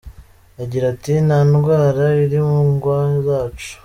Agira ati “Nta ndwara iri mu ngwa zacu.